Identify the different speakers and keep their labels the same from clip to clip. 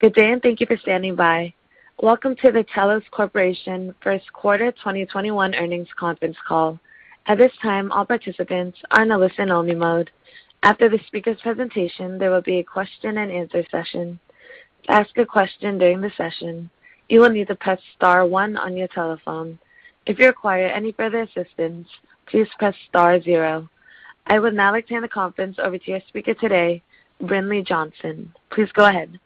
Speaker 1: Good day. Thank you for standing by. Welcome to the Telos Corporation First Quarter 2021 earnings conference call. At this time, all participants are in a listen-only mode. After the speaker's presentation, there will be a question-and-answer session. To ask a question during the session, you will need to press star one on your telephone. If you require any further assistance, please press star zero. I would now like to hand the conference over to your speaker today, Brinlea Johnson. Please go ahead.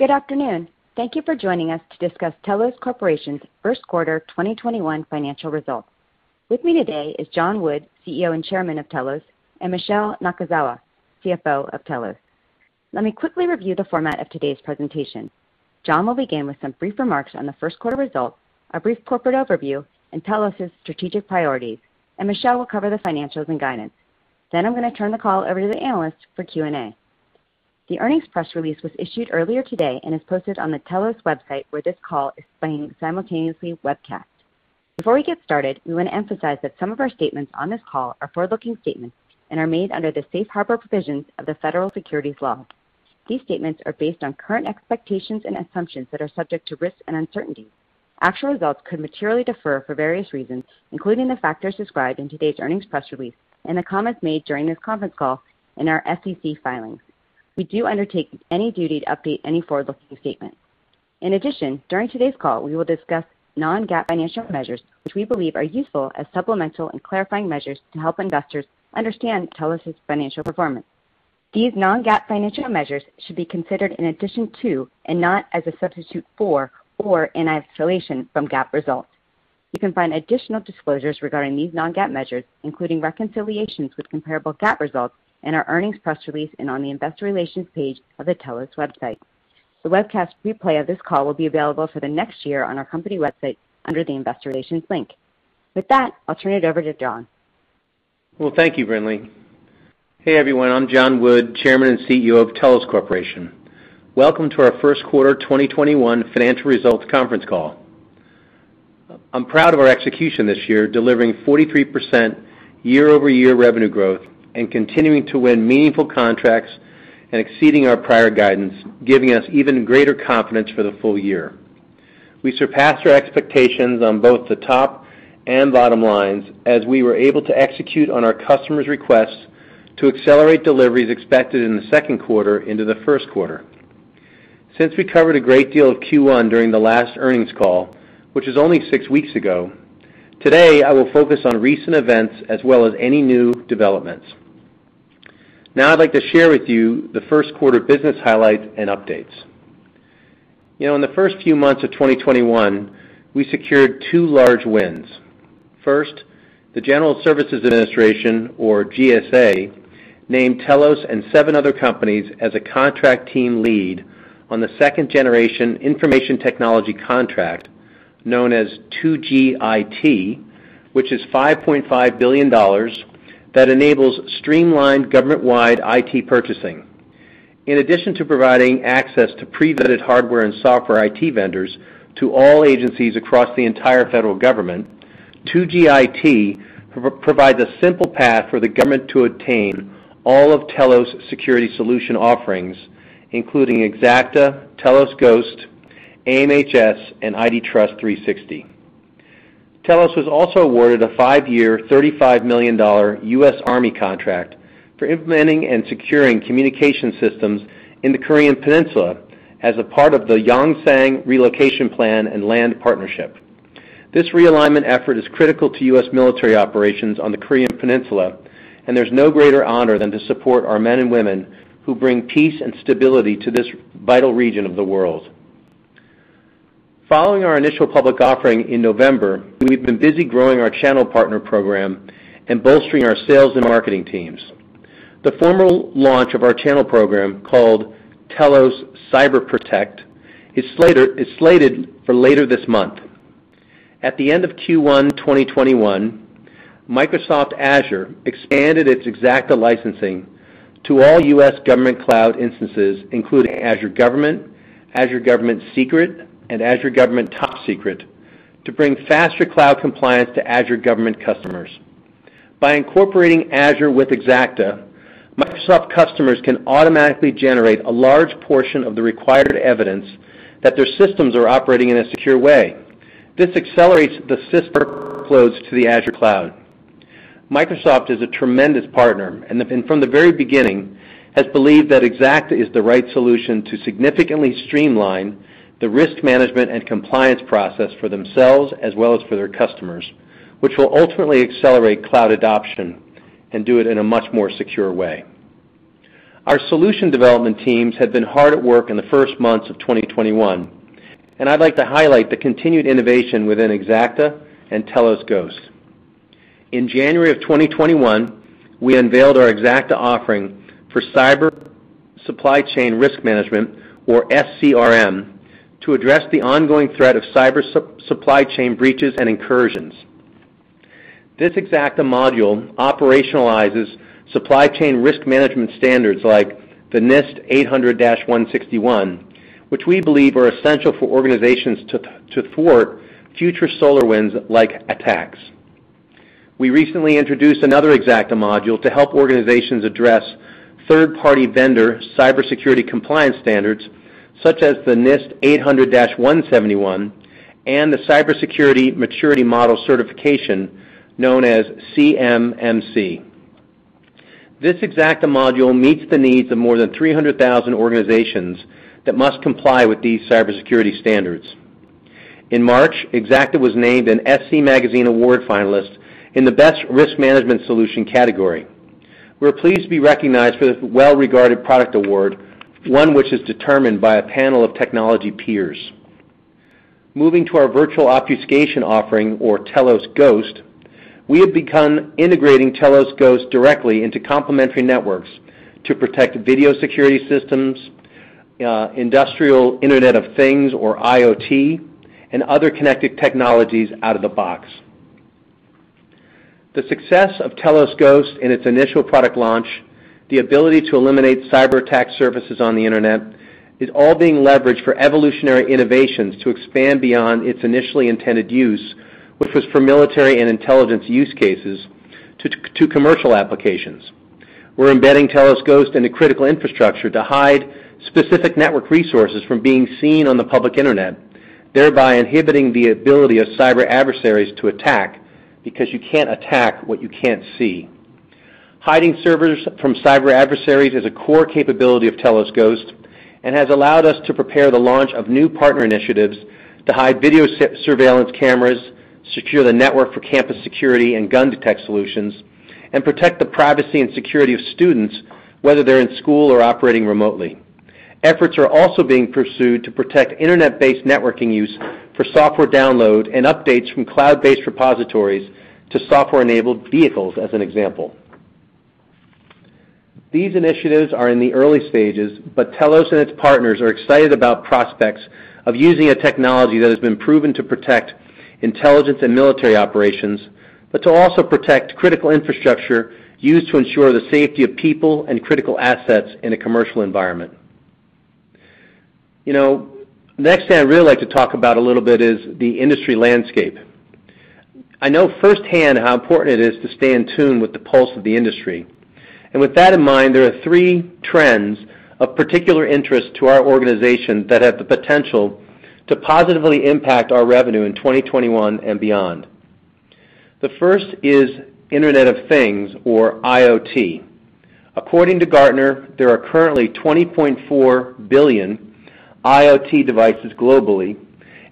Speaker 2: Good afternoon. Thank you for joining us to discuss Telos Corporation's first quarter 2021 financial results. With me today is John Wood, CEO and Chairman of Telos, and Michele Nakazawa, CFO of Telos. Let me quickly review the format of today's presentation. John will begin with some brief remarks on the first quarter results, a brief corporate overview, and Telos' strategic priorities. Michele will cover the financials and guidance. I'm going to turn the call over to the analysts for Q&A. The earnings press release was issued earlier today and is posted on the Telos website, where this call is being simultaneously webcast. Before we get started, we want to emphasize that some of our statements on this call are forward-looking statements and are made under the safe harbor provisions of the Federal Securities Law. These statements are based on current expectations and assumptions that are subject to risks and uncertainties. Actual results could materially differ for various reasons, including the factors described in today's earnings press release and the comments made during this conference call and our SEC filings. We do not undertake any duty to update any forward-looking statements. In addition, during today's call, we will discuss non-GAAP financial measures, which we believe are useful as supplemental and clarifying measures to help investors understand Telos' financial performance. These non-GAAP financial measures should be considered in addition to and not as a substitute for or in isolation from GAAP results. You can find additional disclosures regarding these non-GAAP measures, including reconciliations with comparable GAAP results, in our earnings press release and on the investor relations page of the Telos website. The webcast replay of this call will be available for the next year on our company website under the investor relations link. With that, I'll turn it over to John.
Speaker 3: Well, thank you, Brinlea. Hey, everyone. I'm John Wood, Chairman and CEO of Telos Corporation. Welcome to our first-quarter 2021 financial results conference call. I'm proud of our execution this year, delivering 43% year-over-year revenue growth and continuing to win meaningful contracts and exceeding our prior guidance, giving us even greater confidence for the full year. We surpassed our expectations on both the top and bottom lines as we were able to execute on our customers' requests to accelerate deliveries expected in the second quarter into the first quarter. Since we covered a great deal of Q1 during the last earnings call, which was only six weeks ago, today, I will focus on recent events as well as any new developments. I'd like to share with you the first-quarter business highlights and updates. In the first few months of 2021, we secured two large wins. First, the General Services Administration, or GSA, named Telos and seven other companies as a contract team lead on the second-generation information technology contract known as 2GIT, which is $5.5 billion that enables streamlined government-wide IT purchasing. In addition to providing access to pre-vetted hardware and software IT vendors to all agencies across the entire federal government, 2GIT provides a simple path for the government to obtain all of Telos' security solution offerings, including Xacta, Telos Ghost, AMHS, and IDTrust360. Telos was also awarded a five-year, $35 million U.S. Army contract for implementing and securing communication systems in the Korean Peninsula as a part of the Yongsan relocation plan and land partnership. This realignment effort is critical to U.S. military operations on the Korean Peninsula; there's no greater honor than to support our men and women who bring peace and stability to this vital region of the world. Following our initial public offering in November, we've been busy growing our channel partner program and bolstering our sales and marketing teams. The formal launch of our channel program, called Telos CyberProtect, is slated for later this month. At the end of Q1 2021, Microsoft Azure expanded its Xacta licensing to all U.S. government cloud instances, including Azure Government, Azure Government Secret, and Azure Government Top Secret, to bring faster cloud compliance to Azure Government customers. By incorporating Azure with Xacta, Microsoft customers can automatically generate a large portion of the required evidence that their systems are operating in a secure way. This accelerates the CIS workloads to the Azure cloud. Microsoft is a tremendous partner and, from the very beginning, has believed that Xacta is the right solution to significantly streamline the risk management and compliance process for themselves as well as for their customers, which will ultimately accelerate cloud adoption and do it in a much more secure way. Our solution development teams have been hard at work in the first months of 2021. I'd like to highlight the continued innovation within Xacta and Telos Ghost. In January of 2021, we unveiled our Xacta offering for cyber supply chain risk management, or SCRM, to address the ongoing threat of cyber supply chain breaches and incursions. This Xacta module operationalizes supply chain risk management standards like the NIST SP 800-161, which we believe are essential for organizations to thwart future SolarWinds-like attacks. We recently introduced another Xacta module to help organizations address third-party vendor cybersecurity compliance standards, such as the NIST SP 800-171 and the Cybersecurity Maturity Model Certification, known as CMMC. This Xacta module meets the needs of more than 300,000 organizations that must comply with these cybersecurity standards. In March, Xacta was named an SC Magazine Award finalist in the Best Risk Management Solution category. We're pleased to be recognized for this well-regarded product award, one which is determined by a panel of technology peers. Moving to our virtual obfuscation offering, or Telos Ghost, we have begun integrating Telos Ghost directly into complementary networks to protect video security systems, industrial Internet of Things, or IoT, and other connected technologies out of the box. The success of Telos Ghost in its initial product launch, the ability to eliminate cyberattack surfaces on the internet, is all being leveraged for evolutionary innovations to expand beyond its initially intended use, which was for military and intelligence use cases, to commercial applications. We're embedding Telos Ghost into critical infrastructure to hide specific network resources from being seen on the public internet, thereby inhibiting the ability of cyber adversaries to attack, because you can't attack what you can't see. Hiding servers from cyber adversaries is a core capability of Telos Ghost and has allowed us to prepare the launch of new partner initiatives to hide video surveillance cameras, secure the network for campus security and gun detection solutions, and protect the privacy and security of students, whether they're in school or operating remotely. Efforts are also being pursued to protect internet-based networking use for software download and updates from cloud-based repositories to software-enabled vehicles, as an example. These initiatives are in the early stages, but Telos and its partners are excited about the prospects of using a technology that has been proven to protect intelligence and military operations but also to protect critical infrastructure used to ensure the safety of people and critical assets in a commercial environment. Next thing I'd really like to talk about a little bit is the industry landscape. I know firsthand how important it is to stay in tune with the pulse of the industry. With that in mind, there are three trends of particular interest to our organization that have the potential to positively impact our revenue in 2021 and beyond. The first is the Internet of Things, or IoT. According to Gartner, there are currently 20.4 billion IoT devices globally,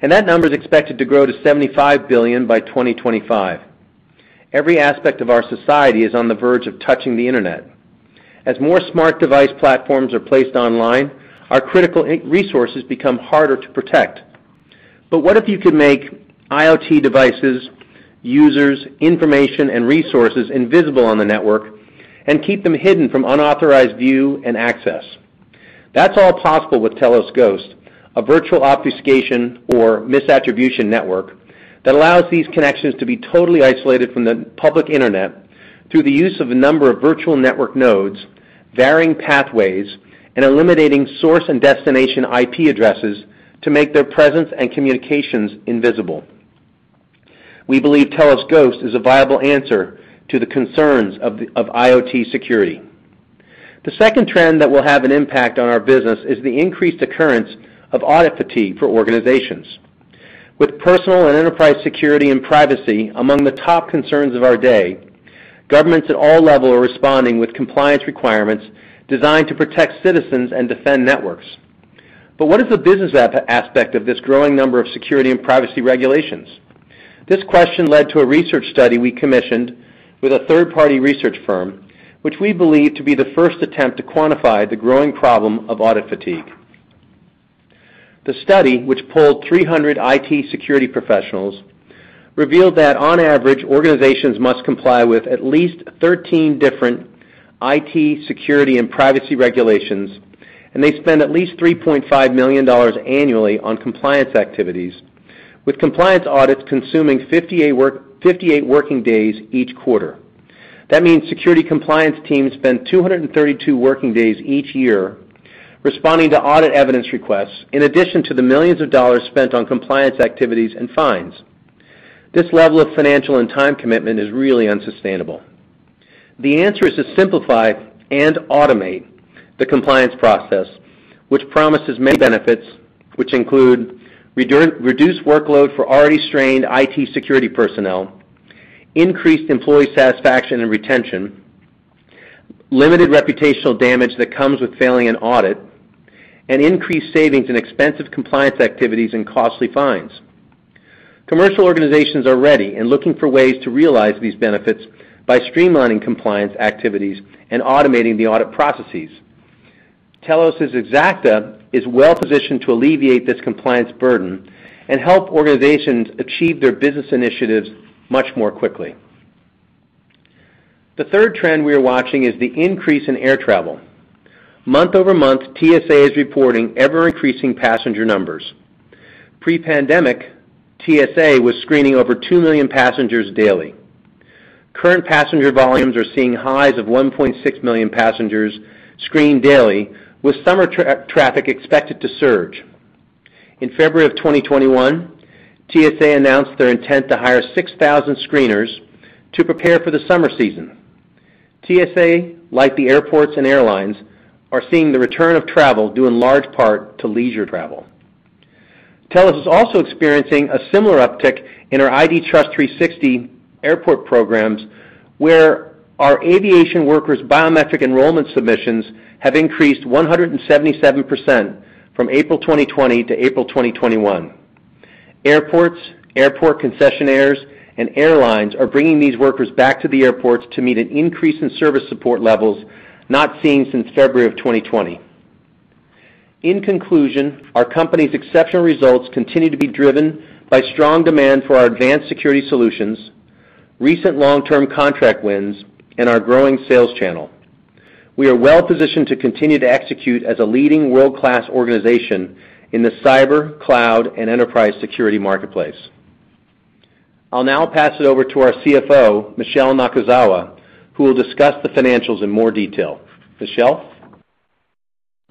Speaker 3: and that number is expected to grow to 75 billion by 2025. Every aspect of our society is on the verge of touching the internet. As more smart device platforms are placed online, our critical resources become harder to protect. What if you could make IoT devices, users, information, and resources invisible on the network and keep them hidden from unauthorized view and access? That's all possible with Telos Ghost, a virtual obfuscation or misattribution network that allows these connections to be totally isolated from the public internet through the use of a number of virtual network nodes, varying pathways, and eliminating source and destination IP addresses to make their presence and communications invisible. We believe Telos Ghost is a viable answer to the concerns of IoT security. The second trend that will have an impact on our business is the increased occurrence of audit fatigue for organizations. With personal and enterprise security and privacy among the top concerns of our day, governments at all levels are responding with compliance requirements designed to protect citizens and defend networks. What is the business aspect of this growing number of security and privacy regulations? This question led to a research study we commissioned with a third-party research firm, which we believe to be the first attempt to quantify the growing problem of audit fatigue. The study, which polled 300 IT security professionals, revealed that on average, organizations must comply with at least 13 different IT security and privacy regulations, and they spend at least $3.5 million annually on compliance activities, with compliance audits consuming 58 working days each quarter. That means security compliance teams spend 232 working days each year responding to audit evidence requests, in addition to the millions of dollars spent on compliance activities and fines. This level of financial and time commitment is really unsustainable. The answer is to simplify and automate the compliance process, which promises many benefits, which include reduced workload for already strained IT security personnel; increased employee satisfaction and retention; limited reputational damage that comes with failing an audit; and increased savings in expensive compliance activities and costly fines. Commercial organizations are ready and looking for ways to realize these benefits by streamlining compliance activities and automating the audit processes. Telos' Xacta is well-positioned to alleviate this compliance burden and help organizations achieve their business initiatives much more quickly. The third trend we are watching is the increase in air travel. Month-over-month, TSA is reporting ever-increasing passenger numbers. Pre-pandemic, TSA was screening over 2 million passengers daily. Current passenger volumes are seeing highs of 1.6 million passengers screened daily, with summer traffic expected to surge. In February of 2021, TSA announced their intent to hire 6,000 screeners to prepare for the summer season. TSA, like the airports and airlines, is seeing the return of travel due in large part to leisure travel. Telos is also experiencing a similar uptick in our IDTrust360 Airport programs, where our aviation workers' biometric enrollment submissions have increased 177% from April 2020 to April 2021. Airports, airport concessionaires, and airlines are bringing these workers back to the airports to meet an increase in service support levels not seen since February of 2020. In conclusion, our company's exceptional results continue to be driven by strong demand for our advanced security solutions, recent long-term contract wins, and our growing sales channel. We are well-positioned to continue to execute as a leading world-class organization in the cyber, cloud, and enterprise security marketplace. I'll now pass it over to our CFO, Michele Nakazawa, who will discuss the financials in more detail. Michele?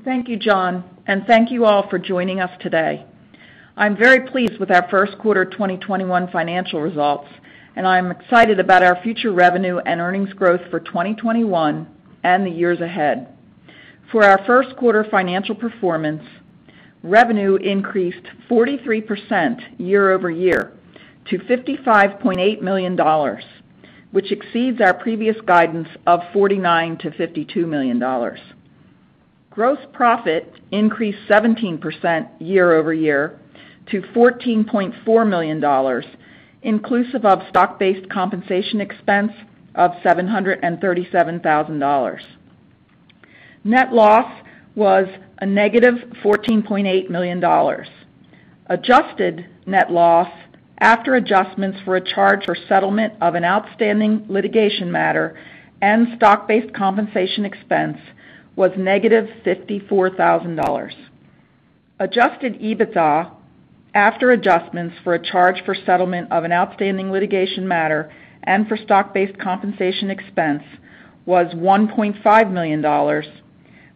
Speaker 4: Thank you, John, and thank you all for joining us today. I'm very pleased with our first quarter 2021 financial results, and I am excited about our future revenue and earnings growth for 2021 and the years ahead. For our first quarter financial performance, revenue increased 43% year-over-year to $55.8 million, which exceeds our previous guidance of $49 million-$52 million. Gross profit increased 17% year-over-year to $14.4 million, inclusive of stock-based compensation expense of $737,000. Net loss was a negative $14.8 million. Adjusted net loss after adjustments for a charge for settlement of an outstanding litigation matter and stock-based compensation expense was negative $54,000. Adjusted EBITDA after adjustments for a charge for settlement of an outstanding litigation matter and for stock-based compensation expense was $1.5 million,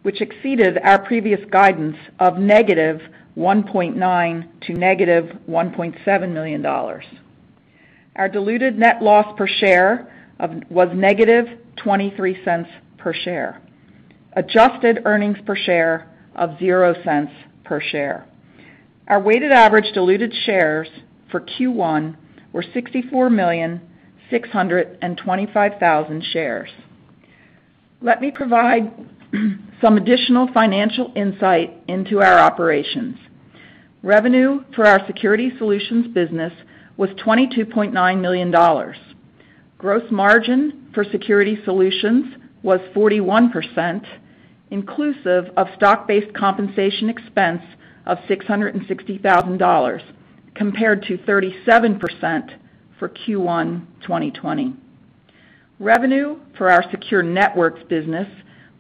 Speaker 4: which exceeded our previous guidance of negative $1.9 million to negative $1.7 million. Our diluted net loss per share was negative $0.23 per share. Adjusted earnings per share of $0.00 per share. Our weighted average diluted shares for Q1 were 64,625,000 shares. Let me provide some additional financial insight into our operations. Revenue for our Security Solutions business was $22.9 million. Gross margin for Security Solutions was 41%, inclusive of stock-based compensation expense of $660,000, compared to 37% for Q1 2020. Revenue for our Secure Networks business was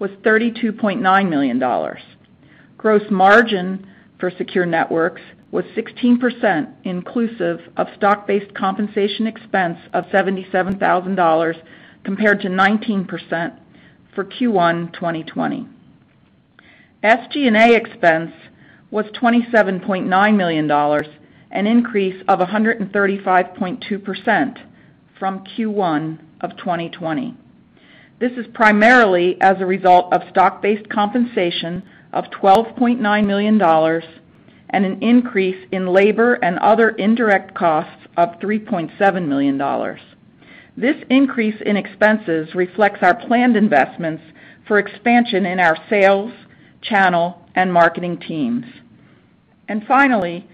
Speaker 4: $32.9 million. Gross margin for Secure Networks was 16%, inclusive of stock-based compensation expense of $77,000, compared to 19% for Q1 2020. SG&A expense was $27.9 million, an increase of 135.2% from Q1 of 2020. This is primarily as a result of stock-based compensation of $12.9 million and an increase in labor and other indirect costs of $3.7 million. This increase in expenses reflects our planned investments for expansion in our sales, channel, and marketing teams. Finally,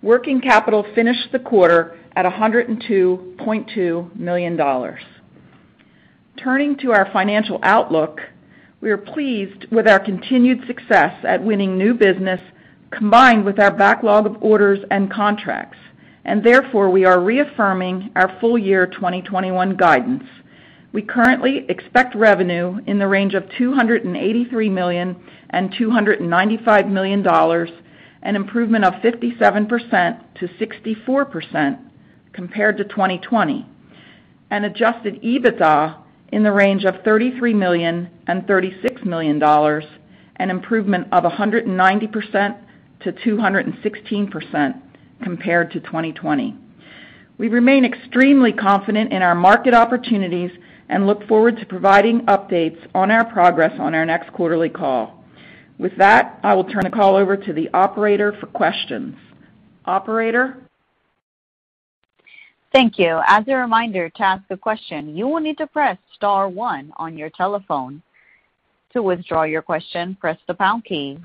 Speaker 4: working capital finished the quarter at $102.2 million. Turning to our financial outlook, we are pleased with our continued success at winning new business, combined with our backlog of orders and contracts, and therefore, we are reaffirming our full-year 2021 guidance. We currently expect revenue in the range of $283 million-$295 million, an improvement of 57%-64% compared to 2020, and adjusted EBITDA in the range of $33 million-$36 million, an improvement of 190%-216% compared to 2020. We remain extremely confident in our market opportunities and look forward to providing updates on our progress on our next quarterly call. With that, I will turn the call over to the operator for questions. Operator?
Speaker 1: Thank you. As a reminder, to ask a question, you will need to press star one on your telephone. To withdraw your question, press the pound key.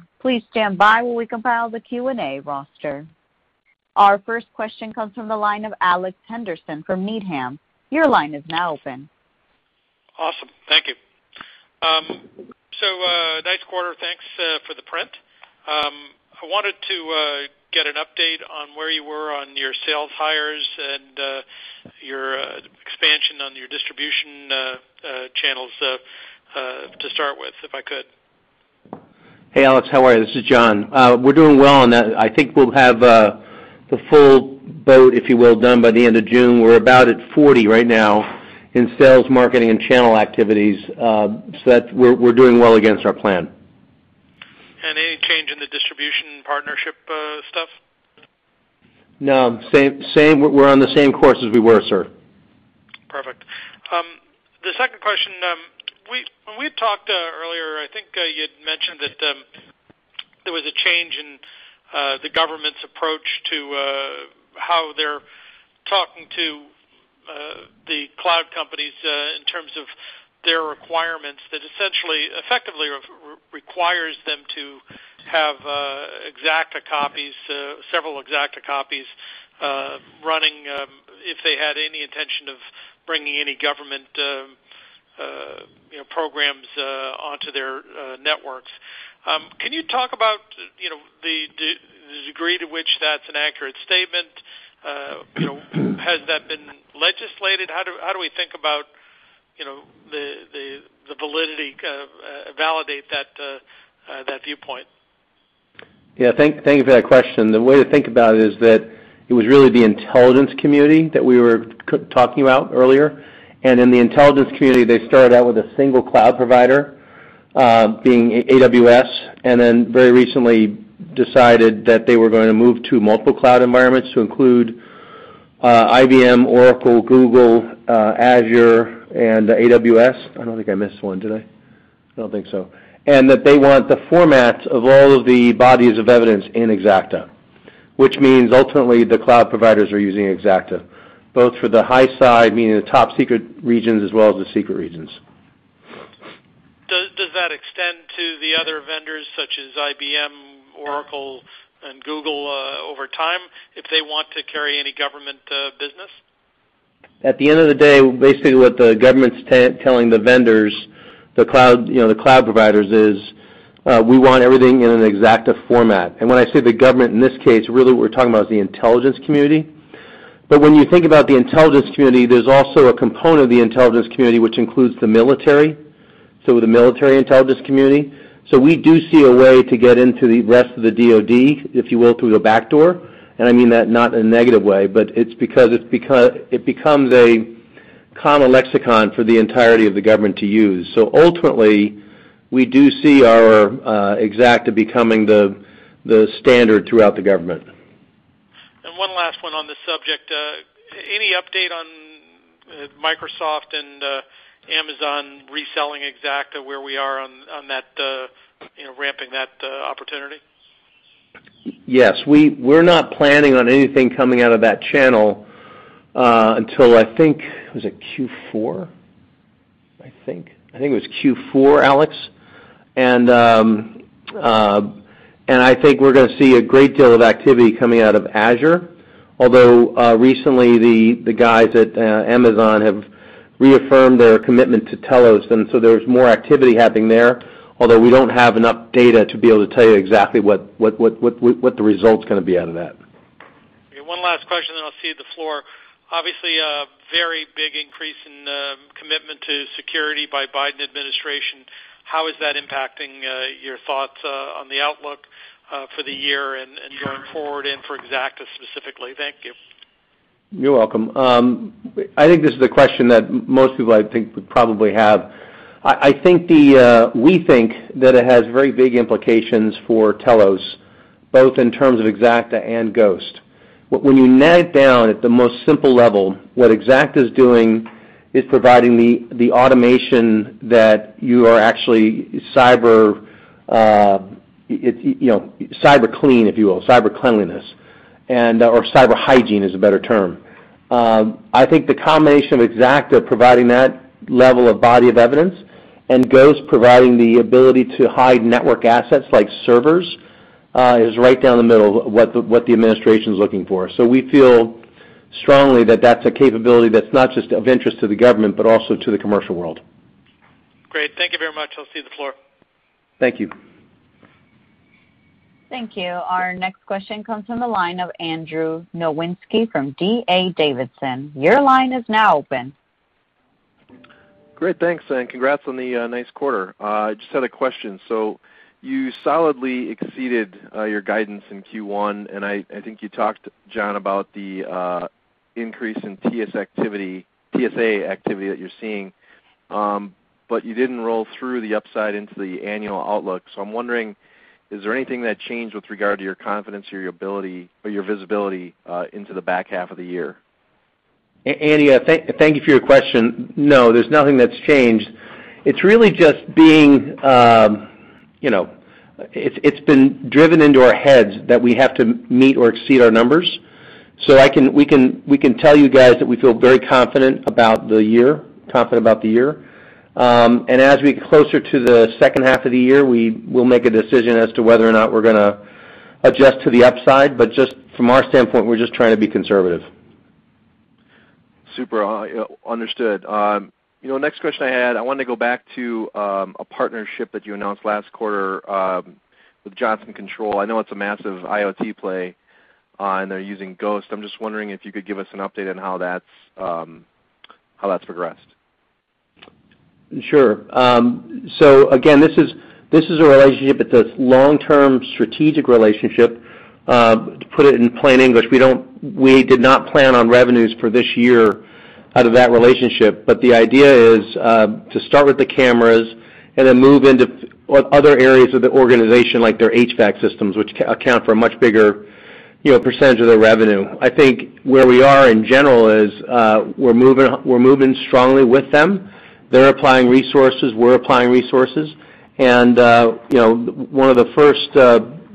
Speaker 1: Our first question comes from the line of Alex Henderson from Needham.
Speaker 5: Awesome. Thank you. Nice quarter. Thanks for the print. I wanted to get an update on where you were on your sales hires and your expansion on your distribution channels to start with, if I could.
Speaker 3: Hey, Alex. How are you? This is John. We're doing well on that. I think we'll have the full boat, if you will, done by the end of June. We're about at 40 right now in sales, marketing, and channel activities. So that we're doing well against our plan.
Speaker 5: Any change in the distribution partnership stuff?
Speaker 3: No. We're on the same course as we were, sir.
Speaker 5: Perfect. The second question, when we talked earlier, I think you had mentioned that there was a change in the government's approach to how they're talking to the cloud companies in terms of their requirements, which essentially effectively requires them to have several Xacta copies running if they had any intention of bringing any government programs onto their networks. Can you talk about the degree to which that's an accurate statement? Has that been legislated? How do we think about the validity and validate that viewpoint?
Speaker 3: Yeah. Thanks for that question. The way to think about it is that it was really the intelligence community that we were talking about earlier, and in the intelligence community, they started out with a single cloud provider, being AWS, and then very recently decided that they were going to move to multiple cloud environments to include IBM, Oracle, Google, Azure, and AWS. I don't think I missed one, did I? I don't think so. That they want the formats of all of the bodies of evidence in Xacta, which means ultimately the cloud providers are using Xacta, both for the high side, meaning the top secret regions, and for the secret regions.
Speaker 5: Does that extend to the other vendors such as IBM, Oracle, and Google over time if they want to carry any government business?
Speaker 3: At the end of the day, basically what the government's telling the vendors, the cloud providers, is, We want everything in an Xacta format. When I say the government, in this case, really what we're talking about is the intelligence community. When you think about the intelligence community, there's also a component of the intelligence community that includes the military, so the military intelligence community. We do see a way to get into the rest of the DoD, if you will, through the backdoor, and I mean that not in a negative way, but it's because it becomes a common lexicon for the entirety of the government to use. Ultimately, we do see our Xacta becoming the standard throughout the government.
Speaker 5: One last one on this subject. Any update on Microsoft and Amazon reselling Xacta, where we are on ramping that opportunity?
Speaker 3: Yes. We're not planning on anything coming out of that channel until, I think, Q4. I think. I think it was Q4, Alex. I think we're going to see a great deal of activity coming out of Azure. Although recently the guys at Amazon have reaffirmed their commitment to Telos, there's more activity happening there, although we don't have enough data to be able to tell you exactly what the result's going to be out of that.
Speaker 5: One last question, and then I'll cede the floor. Obviously, a very big increase in commitment to security by Biden Administration. How is that impacting your thoughts on the outlook for the year and going forward and for Xacta specifically? Thank you.
Speaker 3: You're welcome. I think this is a question that most people, I think, would probably have. We think that it has very big implications for Telos, both in terms of Xacta and Ghost. When you nail it down at the most simple level, what Xacta's doing is providing the automation that you are actually cyber clean, if you will; "cyber cleanliness" or "cyber hygiene" is a better term. I think the combination of Xacta providing that level of body of evidence and Ghost providing the ability to hide network assets like servers is right down the middle of what the Administration is looking for. We feel strongly that that's a capability that's not just of interest to the government but also to the commercial world.
Speaker 5: Great. Thank you very much. I'll cede the floor.
Speaker 3: Thank you.
Speaker 1: Thank you. Our next question comes from the line of Andy Nowinski from D.A. Davidson. Your line is now open.
Speaker 6: Great. Thanks, and congrats on the nice quarter. Just had a question. You solidly exceeded your guidance in Q1, and I think you talked, John, about the increase in TS activity, TSA activity that you're seeing. You didn't roll through the upside into the annual outlook. I'm wondering, is there anything that changed with regard to your confidence or your visibility into the back half of the year?
Speaker 3: Andy, thank you for your question. No, there's nothing that's changed. It's been driven into our heads that we have to meet or exceed our numbers; we can tell you guys that we feel very confident about the year. As we get closer to the second half of the year, we will make a decision as to whether or not we're going to adjust to the upside. Just from our standpoint, we're just trying to be conservative.
Speaker 6: Super. Understood. Next question I had: I want to go back to a partnership that you announced last quarter with Johnson Controls. I know it's a massive IoT play, and they're using Ghost. I'm just wondering if you could give us an update on how that's progressed.
Speaker 3: Sure. Again, this is a relationship. It's this long-term strategic relationship. To put it in plain English, we did not plan on revenues for this year out of that relationship. The idea is to start with the cameras and then move into other areas of the organization, like their HVAC systems, which account for a much bigger percentage of their revenue. I think where we are in general is we're moving strongly with them. They're applying resources; we're applying resources. One of the first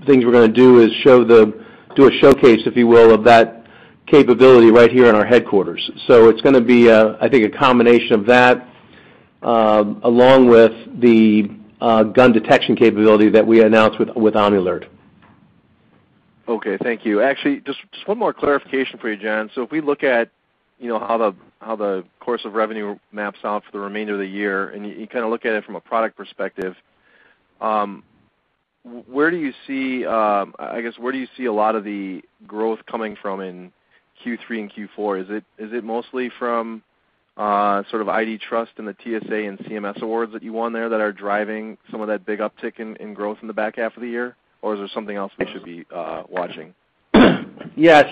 Speaker 3: things we're going to do is do a showcase, if you will, of that capability right here in our headquarters. It's going to be, I think, a combination of that along with the gun detection capability that we announced with Omnilert.
Speaker 6: Okay, thank you. Actually, just one more clarification for you, John. If we look at how the course of revenue maps out for the remainder of the year, and you look at it from a product perspective, where do you see a lot of the growth coming from in Q3 and Q4? Is it mostly from IDTrust and the TSA and CMS awards that you won there that are driving some of that big uptick in growth in the back half of the year? Is there something else we should be watching?
Speaker 3: Yeah.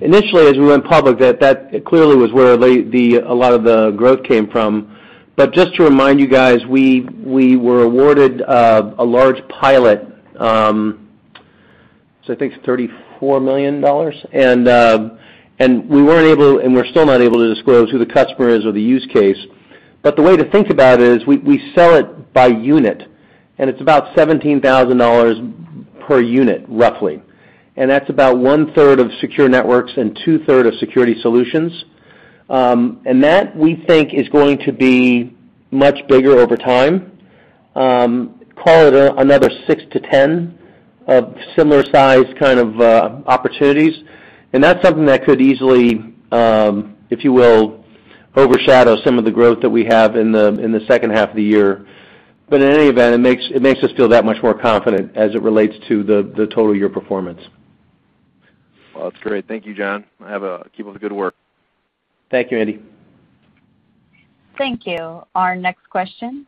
Speaker 3: Initially, as we went public, that clearly was where a lot of the growth came from. Just to remind you guys, we were awarded a large pilot, I think it's $34 million, and we weren't able and we're still not able to disclose who the customer is or the use case. The way to think about it is we sell it by unit, and it's about $17,000 per unit, roughly. That's about one-third of secure networks and two-thirds of security solutions. That, we think, is going to be much bigger over time. Call it another 6-10 of similar size kind of opportunities. That's something that could easily, if you will, overshadow some of the growth that we have in the second half of the year. In any event, it makes us feel that much more confident as it relates to the total year's performance.
Speaker 6: Well, that's great. Thank you, John. Keep up the good work.
Speaker 3: Thank you, Andy.
Speaker 1: Thank you. Our next question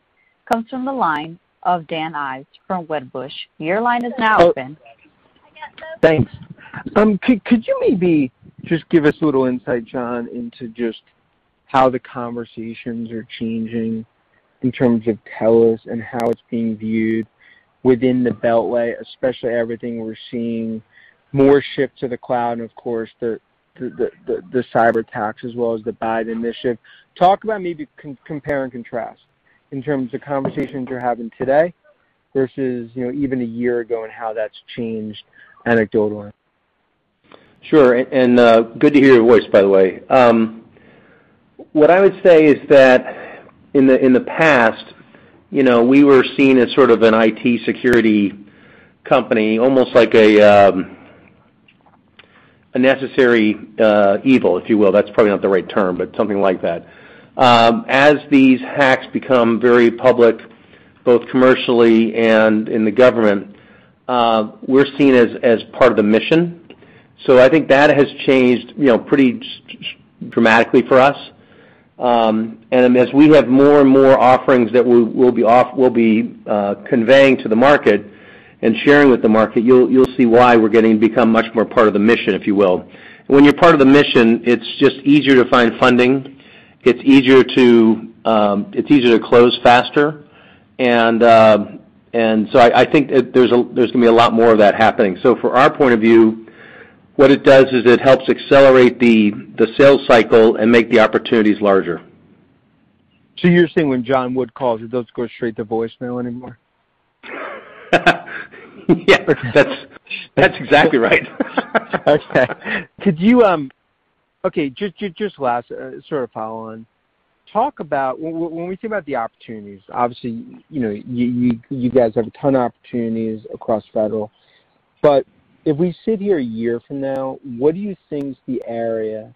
Speaker 1: comes from the line of Dan Ives from Wedbush. Your line is now open.
Speaker 7: Thanks. Could you maybe just give us a little insight, John, into just how the conversations are changing in terms of Telos and how it's being viewed within the Beltway, especially with everything we're seeing, more shifts to the cloud, and, of course, the cyberattacks as well as the Biden mission? Talk about maybe comparing and contrasting in terms of conversations you're having today versus even a year ago and how that's changed anecdotally.
Speaker 3: Sure. Good to hear your voice, by the way. What I would say is that in the past, we were seen as sort of an IT security company, almost like a necessary evil, if you will. That's probably not the right term, or something like that. As these hacks become very public, both commercially and in the government, we're seen as part of the mission. I think that has changed pretty dramatically for us. As we have more and more offerings that we'll be conveying to the market and sharing with the market, you'll see why we're getting to become much more part of the mission, if you will. When you're part of the mission, it's just easier to find funding. It's easier to close faster, and so I think there's going to be a lot more of that happening. From our point of view, what it does is it helps accelerate the sales cycle and make the opportunities larger.
Speaker 7: You're saying when John Wood calls, it doesn't go straight to voicemail anymore?
Speaker 3: Yes, that's exactly right.
Speaker 7: Okay. Just the last sort of follow-on. When we think about the opportunities, obviously, you guys have a ton of opportunities across Federal. If we sit here a year from now, what do you think is the area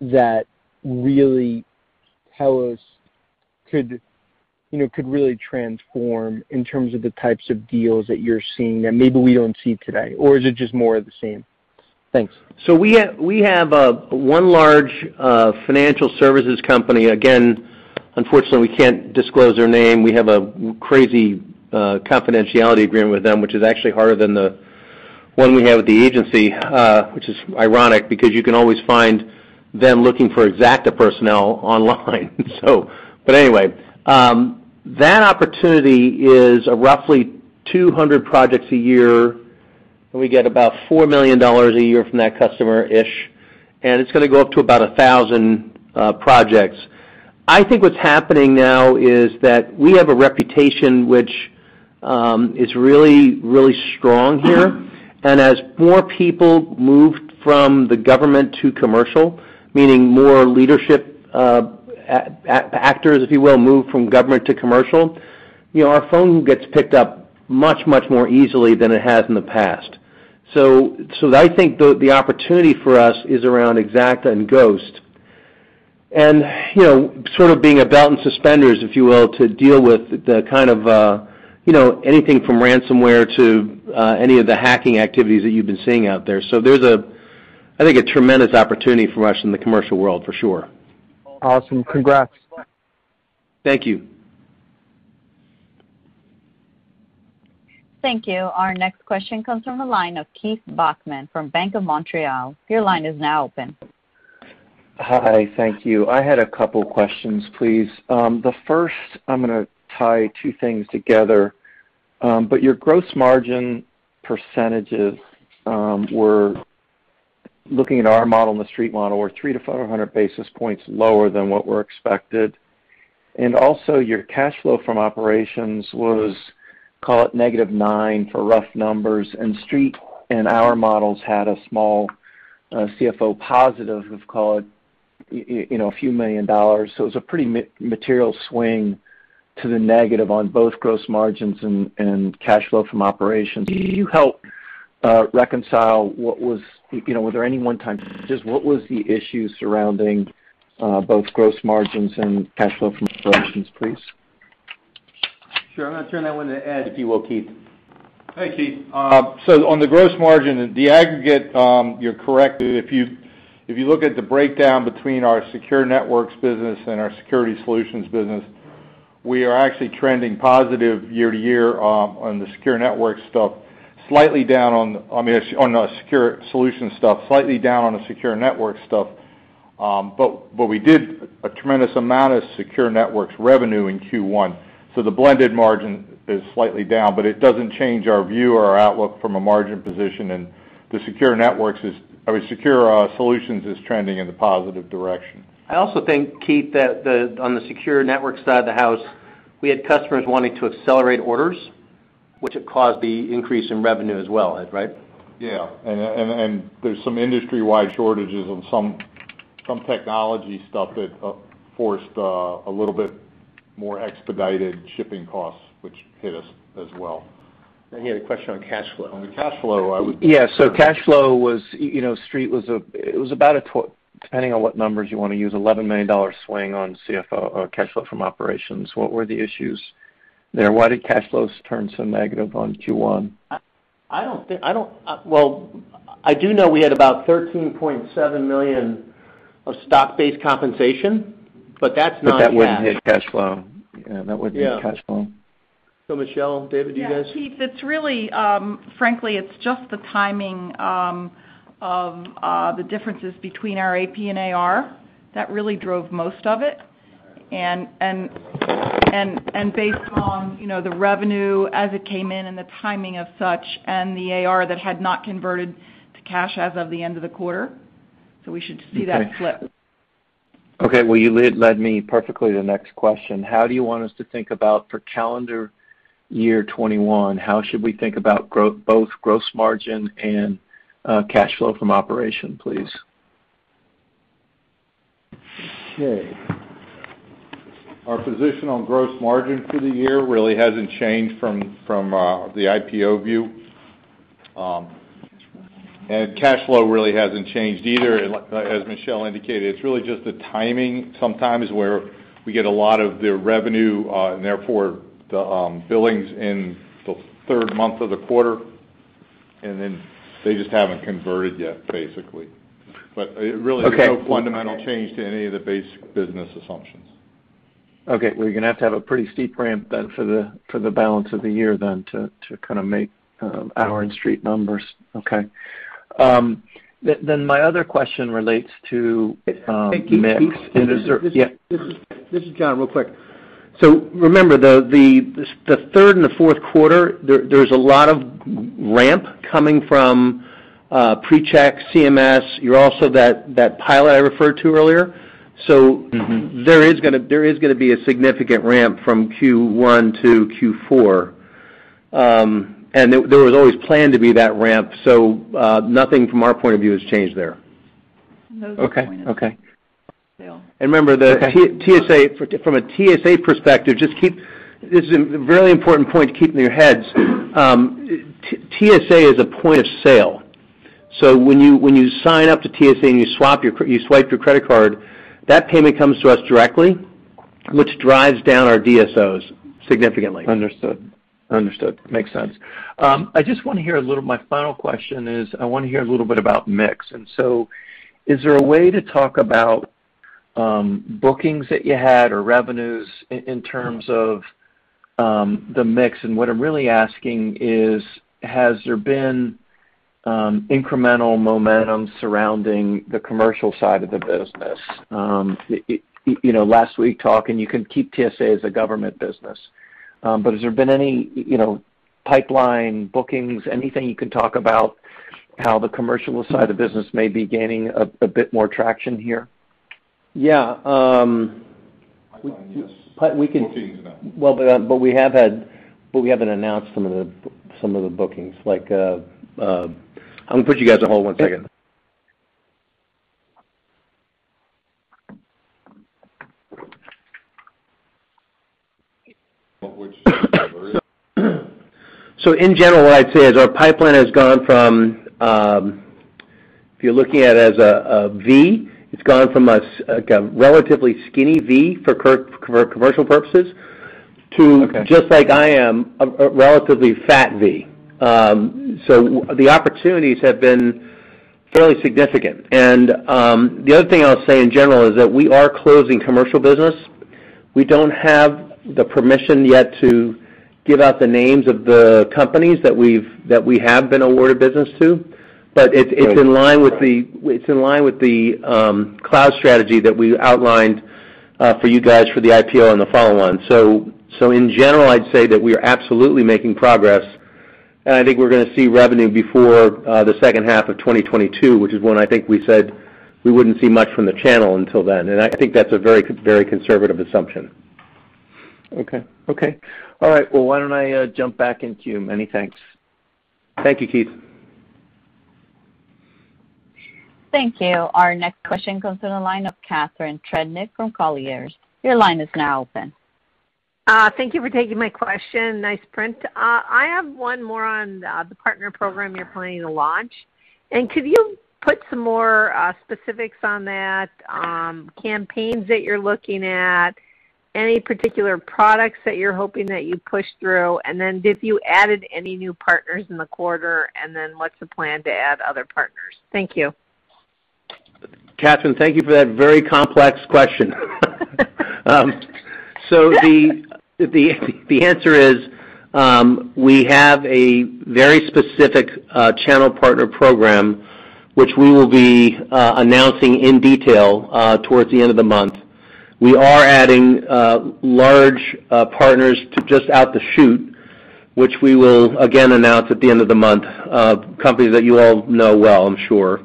Speaker 7: that really Telos could really transform in terms of the types of deals that you're seeing that maybe we don't see today? Is it just more of the same? Thanks.
Speaker 3: We have one large financial services company. Again, unfortunately, we can't disclose their name. We have a crazy confidentiality agreement with them, which is actually harder than the one we have with the agency, which is ironic because you can always find them looking for Xacta personnel online. Anyway, that opportunity is roughly 200 projects a year, and we get about $4 million a year from that customer-ish, and it's going to go up to about 1,000 projects. I think what's happening now is that we have a reputation that is really strong here. As more people move from government to commercial, meaning more leadership actors, if you will, move from government to commercial, our phone gets picked up much more easily than it has in the past. I think the opportunity for us is around Xacta and Ghost and sort of being belt and suspenders, if you will, to deal with the kind of anything from ransomware to any of the hacking activities that you've been seeing out there. I think there's a tremendous opportunity for us in the commercial world, for sure.
Speaker 7: Awesome. Congrats.
Speaker 3: Thank you.
Speaker 1: Thank you. Our next question comes from the line of Keith Bachman from Bank of Montreal. Your line is now open.
Speaker 8: Hi, thank you. I had a couple questions, please. First, I'm going to tie two things together. Your gross margin percentages were, looking at our model and the Street model, three to 500 basis points lower than what was expected. Your cash flow from operations was, call it negative nine for rough numbers, and Street and our models had a small CFO positive of, call it a few million dollars. It's a pretty material swing to the negative on both gross margins and cash flow from operations. Can you help reconcile what was the issue surrounding both gross margins and cash flow from operations, please?
Speaker 3: Sure. I'm going to turn that one to Ed, if you will, Keith.
Speaker 9: Hi, Keith. On the gross margin aggregate, you're correct. If you look at the breakdown between our secure networks business and our security solutions business, we are actually trending positive year-to-year on the secure solutions stuff, slightly down on the secure network stuff. We did a tremendous amount of secure networks revenue in Q1; the blended margin is slightly down; it doesn't change our view or our outlook from a margin position. The secure solutions are trending in a positive direction.
Speaker 3: I also think, Keith, that on the secure networks side of the house, we had customers wanting to accelerate orders, which would cause the increase in revenue as well, right?
Speaker 9: Yeah. There are some industry-wide shortages of some technology stuff that forced a little bit more expedited shipping costs, which hit us as well.
Speaker 3: You had a question on cash flow.
Speaker 9: On the cash flow, I would.
Speaker 8: Yeah. It was about, depending on what numbers you want to use, an $11 million swing on CFO cash flow from operations. What were the issues there? Why did cash flows turn so negative on Q1?
Speaker 3: Well, I do know we had about $13.7 million of stock-based compensation.
Speaker 8: That wouldn't hit the cash flow. Yeah, that wouldn't hit cash flow.
Speaker 9: Michele, David, you guys.
Speaker 4: Yeah, Keith. Frankly, it's just the timing of the differences between our AP and AR that really drove most of it. Based on the revenue as it came in and the timing of such and the AR that had not converted to cash as of the end of the quarter. We should see that flip.
Speaker 8: Okay. Well, you led me perfectly to the next question. How do you want us to think about the calendar year 2021? How should we think about both gross margin and cash flow from operations, please?
Speaker 9: Okay. Our position on gross margin for the year really hasn't changed from the IPO view. Cash flow really hasn't changed either. As Michele indicated, it's really just the timing sometimes when we get a lot of the revenue and therefore the billings in the third month of the quarter, and then they just haven't converted yet, basically.
Speaker 8: Okay
Speaker 9: no fundamental change to any of the base business assumptions.
Speaker 8: Okay. Well, you're going to have to have a pretty steep ramp then for the balance of the year to kind of make our street numbers. Okay. My other question relates to.
Speaker 3: Thank you, Keith.
Speaker 8: Yeah.
Speaker 3: This is John, real quick. Remember, in the third and the fourth quarter, there's a lot of ramp coming from PreCheck and CMS, and also that pile I referred to earlier. There is going to be a significant ramp from Q1-Q4. There was always planned to be that ramp, so nothing from our point of view has changed there.
Speaker 8: Okay.
Speaker 3: Remember.
Speaker 8: Okay
Speaker 3: From a TSA perspective, this is a very important point to keep in your heads. TSA is a point of sale. When you sign up to TSA and you swipe your credit card, that payment comes to us directly, which drives down our DSOs significantly.
Speaker 8: Understood. Makes sense. I just want to hear a little; my final question is I want to hear a little bit about mix. Is there a way to talk about bookings that you had or revenues in terms of the mix? What I'm really asking is, has there been incremental momentum surrounding the commercial side of the business? Last week talking, you can keep TSA as a government business. Has there been any pipeline bookings? Anything you can talk about regarding how the commercial side of the business may be gaining a bit more traction here?
Speaker 3: Yeah. We can talk. We have announced some of the bookings, like. I'm going to put you guys on hold for one second. In general, what I'd say is our pipeline has gone from, if you're looking at it as a V, a relatively skinny V for commercial purposes to, just like I am, a relatively fat V. The opportunities have been fairly significant. The other thing I'll say in general is that we are closing commercial business. We don't have the permission yet to give out the names of the companies that we have been awarded business to, but it's in line with the cloud strategy that we outlined for you guys for the IPO and the follow-on. In general, I'd say that we are absolutely making progress, and I think we're going to see revenue before the second half of 2022, which is when I think we said we wouldn't see much from the channel until then. I think that's a very conservative assumption.
Speaker 8: Okay. All right. Well, why don't I jump back in the queue? Many thanks.
Speaker 3: Thank you, Keith.
Speaker 1: Thank you. Our next question comes from the line of Catharine Trebnick from Colliers. Your line is now open.
Speaker 10: Thank you for taking my question. Nice print. I have one more on the partner program you're planning to launch. Could you put some more specifics on that, campaigns that you're looking at, any particular products that you're hoping that you push through, and then if you added any new partners in the quarter, and then what's the plan to add other partners? Thank you.
Speaker 3: Catharine, thank you for that very complex question. The answer is we have a very specific channel partner program, which we will be announcing in detail towards the end of the month. We are adding large partners just out the chute, which we will again announce at the end of the month, companies that you all know well, I'm sure.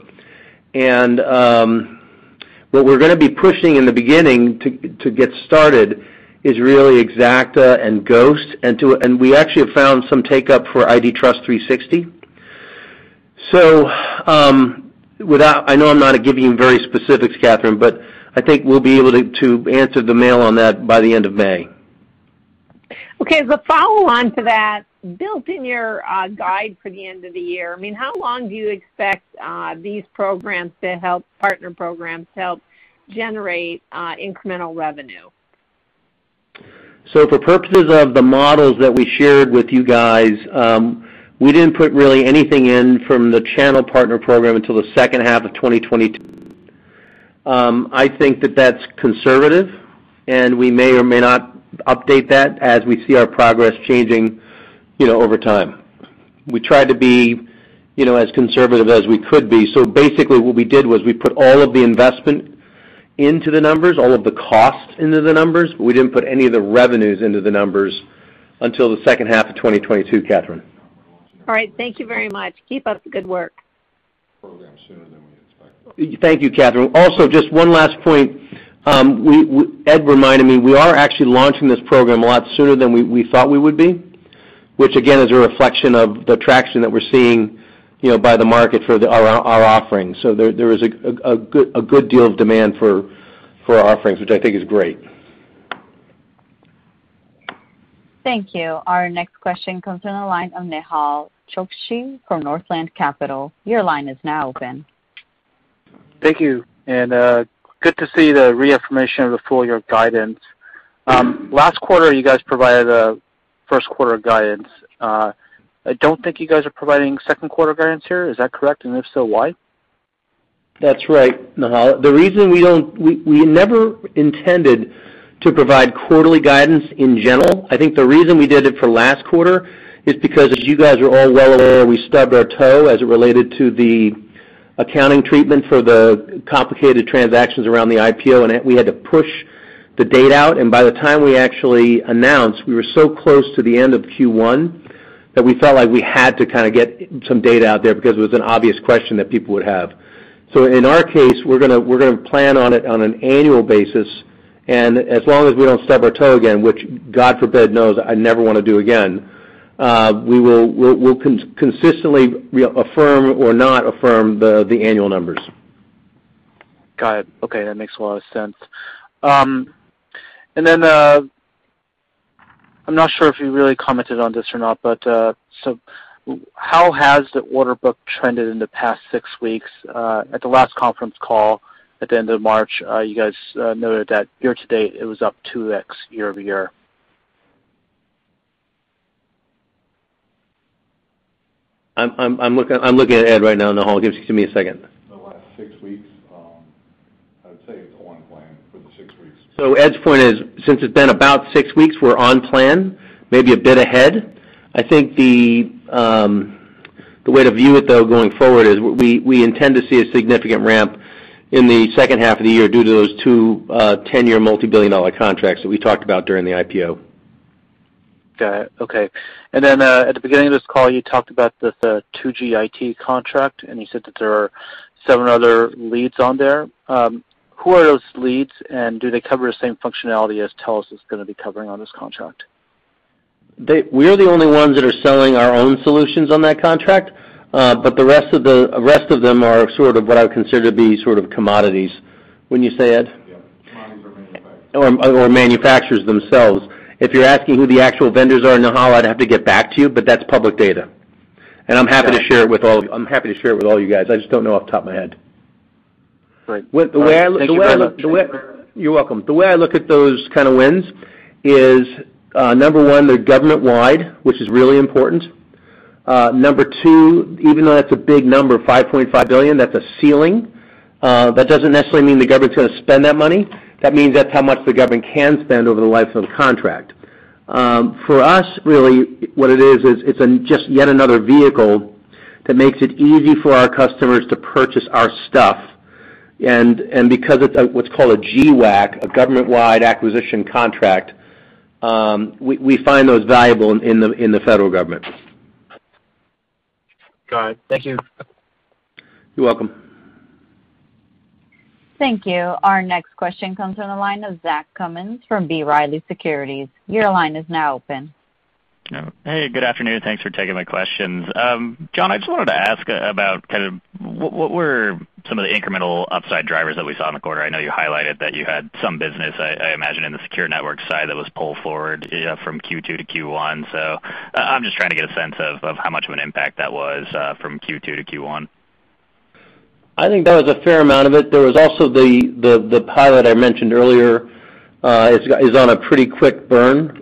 Speaker 3: What we're going to be pushing in the beginning to get started is really Xacta and Ghost, and we actually found some take-up for IDTrust360. I know I'm not giving you very specifics, Catharine, but I think we'll be able to answer the mail on that by the end of May.
Speaker 10: Okay. As a follow-on to that, built in your guide for the end of the year, how long do you expect these partner programs to help generate incremental revenue?
Speaker 3: For purposes of the models that we shared with you guys, we didn't put really anything in from the channel partner program until the second half of 2022. I think that that's conservative, and we may or may not update that as we see our progress changing over time. We tried to be as conservative as we could be. Basically what we did was we put all of the investment into the numbers, all of the cost into the numbers, but we didn't put any of the revenues into the numbers until the second half of 2022, Catharine.
Speaker 10: All right. Thank you very much. Keep up the good work.
Speaker 3: Thank you, Catharine. Just one last point. Ed reminded me we are actually launching this program a lot sooner than we thought we would be, which again is a reflection of the traction that we're seeing in the market for our offerings. There is a good deal of demand for our offerings, which I think is great.
Speaker 1: Thank you. Our next question comes on the line from Nehal Chokshi from Northland Capital.
Speaker 11: Thank you. It's good to see the reaffirmation of the full-year guidance. Last quarter, you guys provided first-quarter guidance. I don't think you guys are providing second-quarter guidance here; is that correct? If so, why?
Speaker 3: That's right, Nehal. We never intended to provide quarterly guidance in general. I think the reason we did it last quarter is because, as you guys are all well aware, we stubbed our toe as it related to the accounting treatment for the complicated transactions around the IPO, and we had to push the date out. By the time we actually announced, we were so close to the end of Q1 that we felt like we had to get some data out there because it was an obvious question that people would have. In our case, we're going to plan on it on an annual basis, and as long as we don't stub our toe again, which, God forbid, knows I never want to do again, we'll consistently affirm or not affirm the annual numbers.
Speaker 11: Got it. Okay. That makes a lot of sense. I'm not sure if you really commented on this or not, but how has the order book trended in the past six weeks? At the last conference call at the end of March, you guys noted that year to date, it was up 2x year over year.
Speaker 3: I'm looking at Ed right now in the hall. Give me a second.
Speaker 9: In the last six weeks, I'd say it's on plan for the six weeks.
Speaker 3: Ed's point is, since it's been about six weeks, we're on plan, maybe a bit ahead. I think the way to view it, though, going forward is we intend to see a significant ramp in the second half of the year due to those two 10-year multibillion-dollar contracts that we talked about during the IPO.
Speaker 11: Got it. Okay. At the beginning of this call, you talked about the 2GIT contract, and you said that there are seven other leads on there. Who are those leads, and do they cover the same functionality as Telos is going to be covering on this contract?
Speaker 3: We are the only ones that are selling our own solutions on that contract. The rest of them are sort of what I consider to be sort of commodities. Wouldn't you say, Ed? Yeah.
Speaker 9: Manufacturers themselves. If you're asking who the actual vendors are, Nehal, I'd have to get back to you, but that's public data, and I'm happy to share it with all you guys. I just don't know off the top of my head.
Speaker 11: Right. Thank you very much.
Speaker 3: You're welcome. The way I look at those kinds of wins is, number one, they're government-wide, which is really important. Number two, even though that's a big number, $5.5 billion, that's a ceiling. That doesn't necessarily mean the government's going to spend that money. That means that's how much the government can spend over the life of the contract. For us, really, what it is, it's just yet another vehicle that makes it easy for our customers to purchase our stuff. Because it's what's called a GWAC, a government-wide acquisition contract, we find those valuable in the federal government.
Speaker 11: Got it. Thank you.
Speaker 3: You're welcome.
Speaker 1: Thank you. Our next question comes from the line of Zach Cummins from B. Riley Securities. Your line is now open.
Speaker 12: Hey, good afternoon. Thanks for taking my questions. John, I just wanted to ask about what were some of the incremental upside drivers that we saw in the quarter. I know you highlighted that you had some business, I imagine, in the secure network side that was pulled forward from Q2 to Q1. I'm just trying to get a sense of how much of an impact that was from Q2 -Q1.
Speaker 3: I think that was a fair amount of it. There was also the pilot I mentioned earlier who is on a pretty quick burn,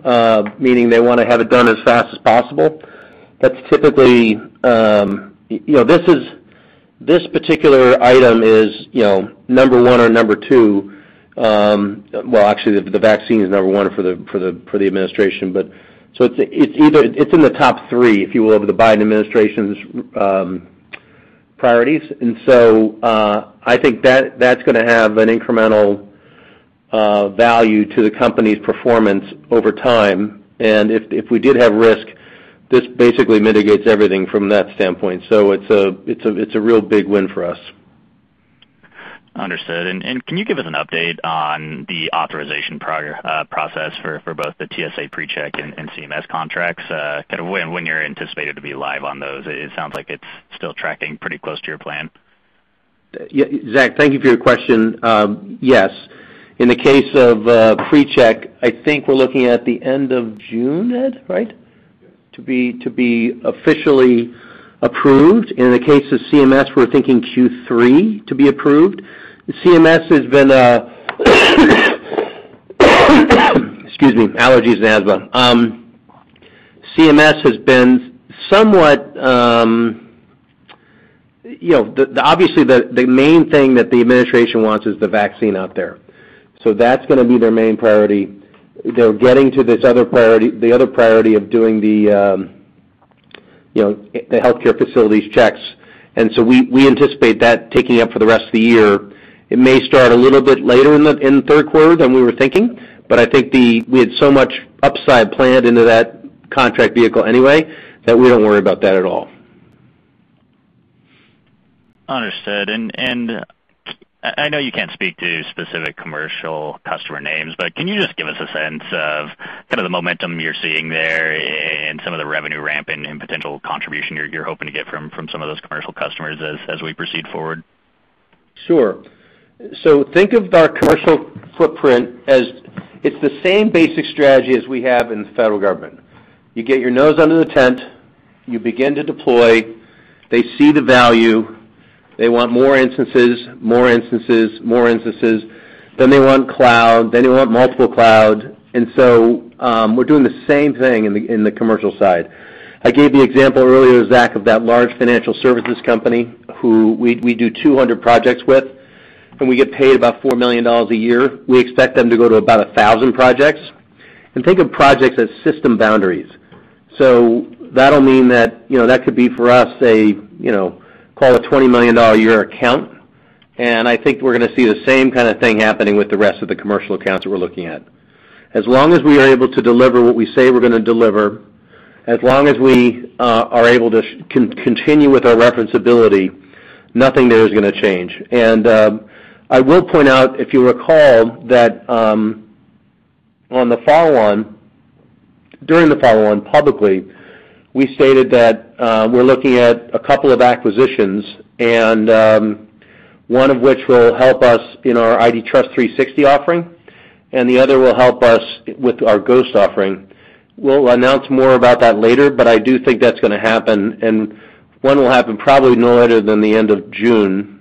Speaker 3: meaning they want to have it done as fast as possible. This particular item is number one or number two; well, actually, the vaccine is number one for the administration, but it's in the top three, if you will, of the Biden administration's priorities. I think that's going to have an incremental value to the company's performance over time. If we did have risk, this basically mitigates everything from that standpoint. It's a real big win for us.
Speaker 12: Understood. Can you give us an update on the authorization process for both the TSA PreCheck and CMS contracts? Kind of when you're anticipated to be live on those. It sounds like it's still tracking pretty close to your plan.
Speaker 3: Zach, thank you for your question. Yes. In the case of PreCheck, I think we're looking at the end of June, Ed, right? To be officially approved. In the case of CMS, we're thinking Q3 will be approved. Excuse me, allergies and asthma. Obviously, the main thing that the administration wants is the vaccine out there. That's going to be their main priority. They're getting to the other priority of doing the healthcare facility checks. We anticipate that taking up for the rest of the year. It may start a little bit later in the third quarter than we were thinking. I think we had so much upside planned into that contract vehicle anyway that we don't worry about that at all.
Speaker 12: Understood. I know you can't speak to specific commercial customer names. Can you just give us a sense of kind of the momentum you're seeing there and some of the revenue ramp and potential contribution you're hoping to get from some of those commercial customers as we proceed forward?
Speaker 3: Sure. Think of our commercial footprint, as it's the same basic strategy as we have in the federal government. You get your nose under the tent, and you begin to deploy. They see the value, they want more instances, more instances, more instances. Then they want cloud, and then they want multiple clouds. We're doing the same thing in the commercial side. I gave the example earlier, Zach, of that large financial services company, with whom we do 200 projects, and we get paid about $4 million a year. We expect them to go to about 1,000 projects. Think of projects as system boundaries. That'll mean that could be for us, call it a $20 million a year account. I think we're going to see the same kind of thing happening with the rest of the commercial accounts that we're looking at. As long as we are able to deliver what we say we're going to deliver, as long as we are able to continue with our reliability, nothing there is going to change. I will point out, if you recall, that during the follow-on publicly, we stated that we're looking at a couple of acquisitions, and one of which will help us in our IDTrust360 offering, and the other will help us with our Ghost offering. We'll announce more about that later, but I do think that's going to happen. One will happen probably no later than the end of June,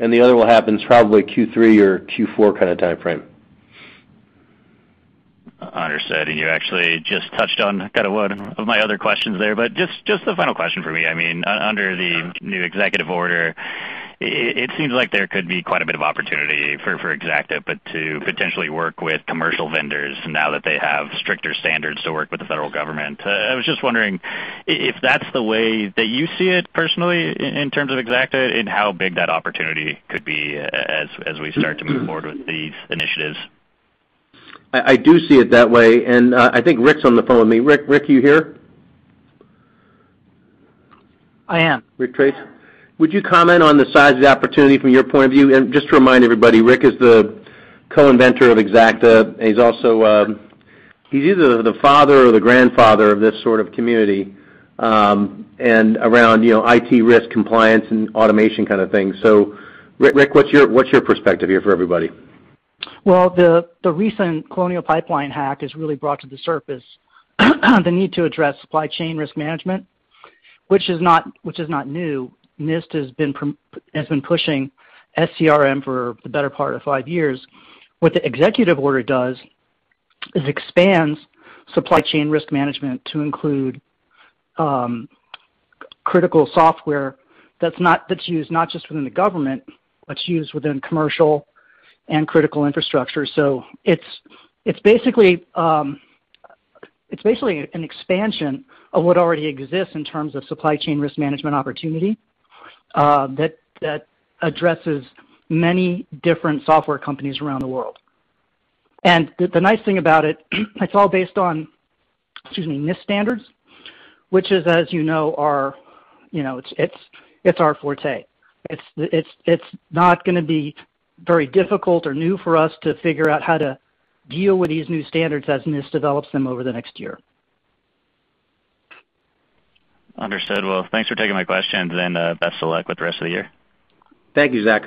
Speaker 3: and the other will happen probably in the Q3 or Q4 kind of timeframe.
Speaker 12: Understood. You actually just touched on one of my other questions there. Just the final question for me. Under the new executive order, it seems like there could be quite a bit of opportunity for Xacta to potentially work with commercial vendors now that they have stricter standards to work with the federal government. I was just wondering if that's the way that you see it personally in terms of Xacta and how big that opportunity could be as we start to move forward with these initiatives.
Speaker 3: I do see it that way, and I think Rick's on the phone with me. Rick, are you here?
Speaker 13: I am.
Speaker 3: Rick Tracy. Would you comment on the size of the opportunity from your point of view? Just to remind everybody, Rick is the co-inventor of Xacta, and he's either the father or the grandfather of this sort of community around IT risk compliance and automation kind of thing. Rick, what's your perspective here for everybody?
Speaker 13: The recent Colonial Pipeline hack has really brought to the surface the need to address supply chain risk management, which is not new. NIST has been pushing SCRM for the better part of five years. What the executive order does is expand supply chain risk management to include critical software that's used not just within the government but also within commercial and critical infrastructure. It's basically an expansion of what already exists in terms of supply chain risk management opportunity that addresses many different software companies around the world. The nice thing about it is it's all based on, excuse me, NIST standards, which is, as you know, it's our forte. It's not going to be very difficult or new for us to figure out how to deal with these new standards as NIST develops them over the next year.
Speaker 12: Understood. Well, thanks for taking my questions, and best of luck with the rest of the year.
Speaker 3: Thank you, Zach.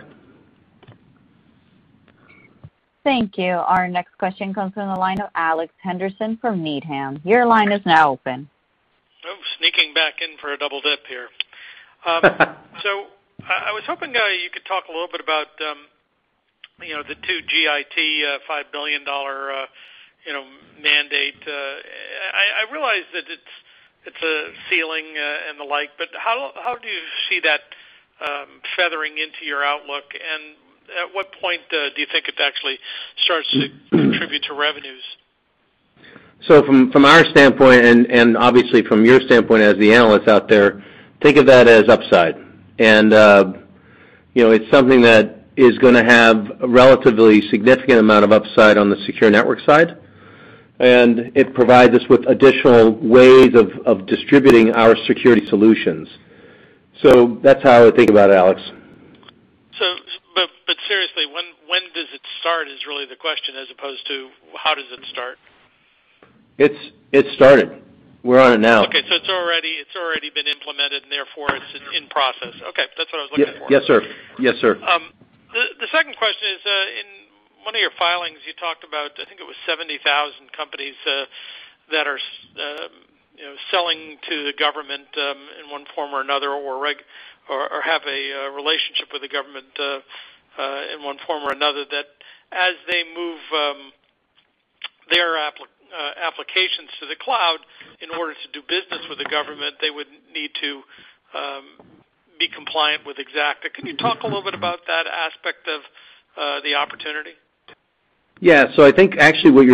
Speaker 1: Thank you. Our next question comes from the line of Alex Henderson from Needham. Your line is now open.
Speaker 5: Oh, sneaking back in for a double dip here. I was hoping you could talk a little bit about the 2GIT $5 billion mandate. I realize that it's a ceiling and the like, but how do you see that feathering into your outlook, and at what point do you think it actually starts to contribute to revenues?
Speaker 3: From our standpoint, and obviously from your standpoint as the analysts out there, think of that as an upside. It's something that is going to have a relatively significant amount of upside on the secure network side, and it provides us with additional ways of distributing our security solutions. That's how I would think about it, Alex.
Speaker 5: Seriously, when does it start is really the question, as opposed to how does it start?
Speaker 3: It's started. We're on it now.
Speaker 5: Okay. It's already been implemented, and therefore, it's in process. Okay. That's what I was looking for.
Speaker 3: Yes, sir.
Speaker 5: The second question is in one of your filings, you talked about, I think it was 70,000 companies that are selling to the government in one form or another or have a relationship with the government in one form or another; as they move their applications to the cloud, in order to do business with the government, they would need to be compliant with Xacta. Can you talk a little bit about that aspect of the opportunity?
Speaker 3: Yeah. I think what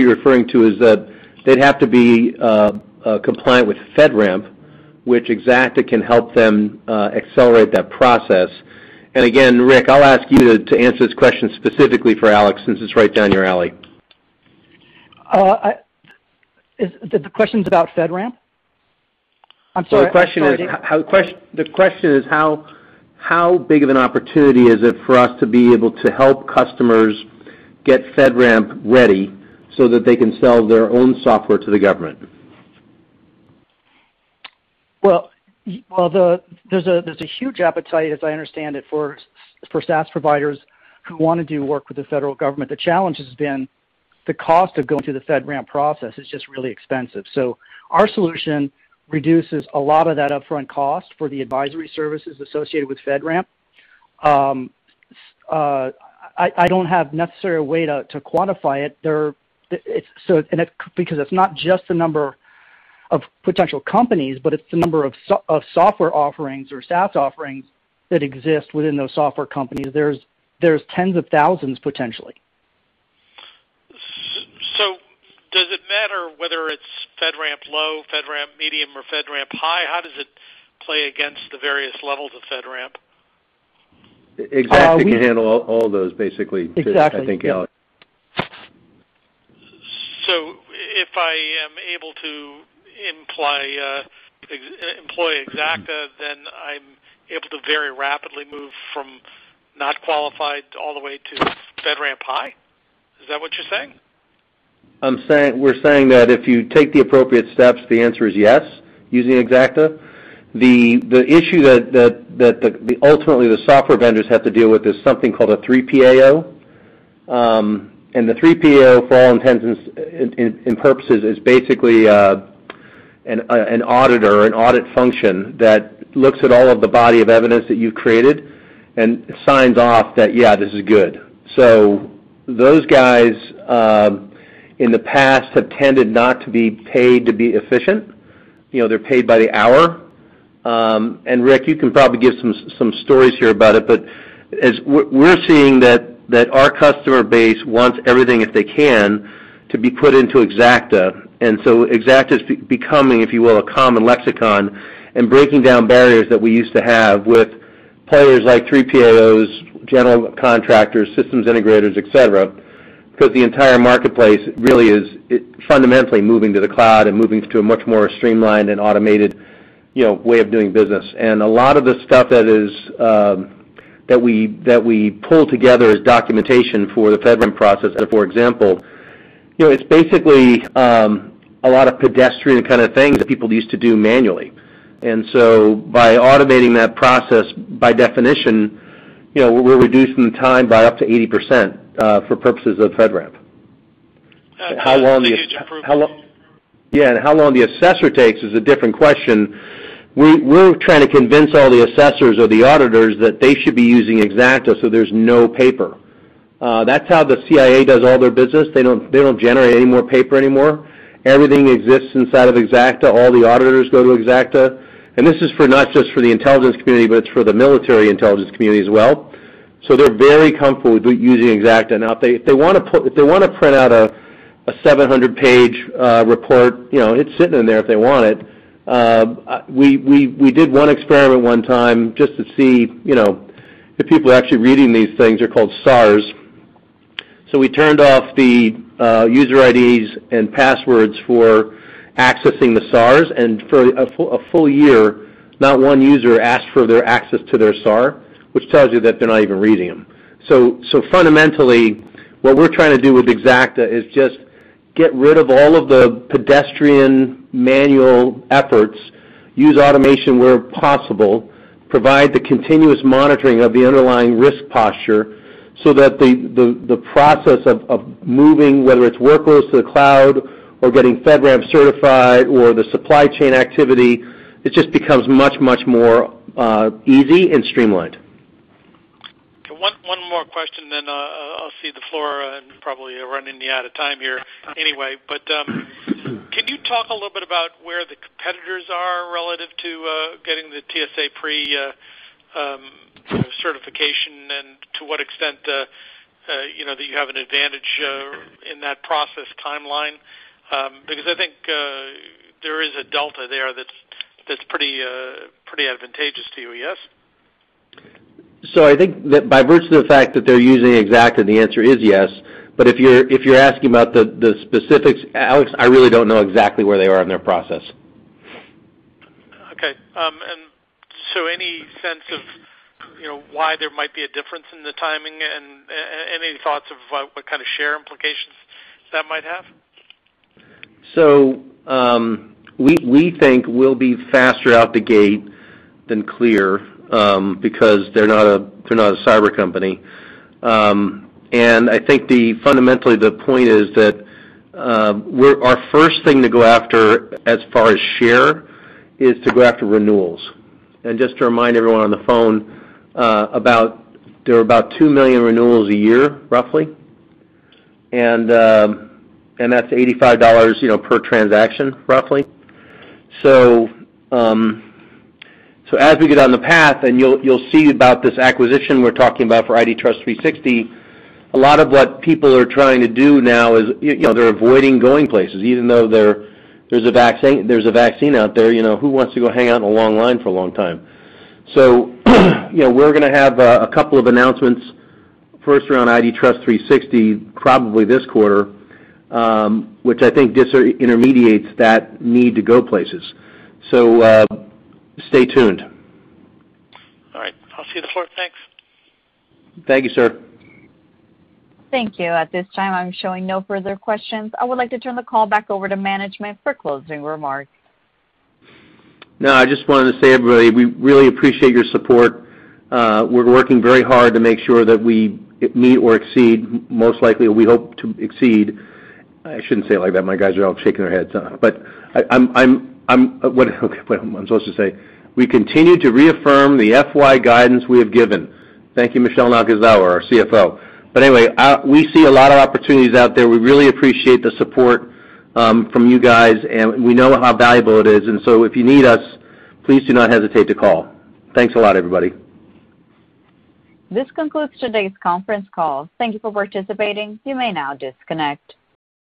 Speaker 3: you're referring to is that they'd have to be compliant with FedRAMP, and Xacta can help them accelerate that process. Again, Rick, I'll ask you to answer this question specifically for Alex, since it's right down your alley.
Speaker 13: The question's about FedRAMP? I'm sorry.
Speaker 3: The question is how big of an opportunity is it for us to be able to help customers get FedRAMP ready so that they can sell their own software to the government?
Speaker 13: There's a huge appetite, as I understand it, for SaaS providers who want to do work with the federal government. The challenge has been the cost of going through the FedRAMP process. It's just really expensive. Our solution reduces a lot of that upfront cost for the advisory services associated with FedRAMP. I don't necessarily have a way to quantify it, because it's not just the number of potential companies, but it's the number of software offerings or SaaS offerings that exist within those software companies. There are tens of thousands, potentially.
Speaker 5: Does it matter whether it's FedRAMP Low, FedRAMP Moderate, or FedRAMP High? How does it play against the various levels of FedRAMP?
Speaker 3: Xacta can handle all those, basically.
Speaker 13: Exactly.
Speaker 5: If I am able to employ Xacta, then I'm able to very rapidly move from not qualified all the way to FedRAMP High. Is that what you're saying?
Speaker 3: We're saying that if you take the appropriate steps, the answer is yes, using Xacta. The issue that ultimately the software vendors have to deal with is something called a 3PAO. The 3PAO, for all intents and purposes, is basically an auditor, an audit function that looks at all of the body of evidence that you've created and signs off that, yeah, this is good. Those guys in the past have tended not to be paid to be efficient. They're paid by the hour. Rick, you can probably give some stories here about it, but we're seeing that our customer base wants everything, if they can, to be put into Xacta. Xacta's becoming, if you will, a common lexicon and breaking down barriers that we used to have with players like 3PAOs, general contractors, systems integrators, et cetera. The entire marketplace really is fundamentally moving to the cloud and moving to a much more streamlined and automated way of doing business. A lot of the stuff that we pull together as documentation for the FedRAMP process, for example. It's basically a lot of pedestrian kind of things that people used to do manually. By automating that process, by definition, we're reducing the time by up to 80% for purposes of FedRAMP.
Speaker 5: How long does the agent approval-
Speaker 3: Yeah, how long the assessor takes is a different question. We're trying to convince all the assessors or the auditors that they should be using Xacta so there's no paper. That's how the CIA does all their business. They don't generate any more paper anymore. Everything exists inside of Xacta. All the auditors go to Xacta. This is not just for the intelligence community, but it's for the military intelligence community as well. They're very comfortable with using Xacta. Now, if they want to print out a 700-page report, it's sitting in there if they want it. We did one experiment one time just to see if people are actually reading these things. They're called SARs. We turned off the user IDs and passwords for accessing the SARs, and for a full year, not one user asked for their access to their SAR, which tells you that they're not even reading them. Fundamentally, what we're trying to do with Xacta is just get rid of all of the pedestrian manual efforts, use automation where possible, and provide the continuous monitoring of the underlying risk posture so that the process of moving, whether it's workloads to the cloud or getting FedRAMP certified or the supply chain activity, it just becomes much, much more easy and streamlined.
Speaker 5: One more question, then I'll cede the floor and probably run you out of time here anyway. Can you talk a little bit about where the competitors are relative to getting the TSA pre-certification and to what extent that you have an advantage in that process timeline? Because I think there is a delta there that's pretty advantageous to you, yes?
Speaker 3: I think that by virtue of the fact that they're using Xacta, the answer is yes. If you're asking about the specifics, Alex, I really don't know exactly where they are in their process.
Speaker 5: Okay. Any sense of why there might be a difference in the timing and any thoughts on what kind of share implications that might have?
Speaker 3: We think we'll be faster out the gate than CLEAR because they're not a cyber company. I think fundamentally, the point is that our first thing to go after as far as share is to go after renewals. Just to remind everyone on the phone, there are about 2 million renewals a year roughly, and that's $85 per transaction, roughly. As we get on the path, and you'll see about this acquisition we're talking about for IDTrust360, a lot of what people are trying to do now is they're avoiding going places, even though there's a vaccine out there. Who wants to go hang out in a long line for a long time? We're going to have a couple of announcements, first around IDTrust360, probably this quarter, which I think disintermediates that need to go places. Stay tuned.
Speaker 5: All right. I'll cede the floor. Thanks.
Speaker 3: Thank you, sir.
Speaker 1: Thank you. At this time, I'm showing no further questions. I would like to turn the call back over to management for closing remarks.
Speaker 3: I just wanted to say, everybody, we really appreciate your support. We're working very hard to make sure that we meet or exceed; most likely we hope to exceed. I shouldn't say it like that. My guys are all shaking their heads. What I'm supposed to say is we continue to reaffirm the FY guidance we have given. Thank you, Michele Nakazawa, our CFO. Anyway, we see a lot of opportunities out there. We really appreciate the support from you guys, and we know how valuable it is. If you need us, please do not hesitate to call. Thanks a lot, everybody.
Speaker 1: This concludes today's conference call. Thank you for participating. You may now disconnect.